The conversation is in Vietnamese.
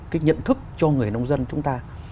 cái nhận thức cho người nông dân chúng ta